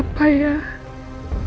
apa yang sudah dilakukan roy